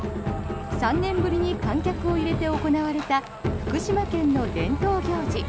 ３年ぶりに観客を入れて行われた福島県の伝統行事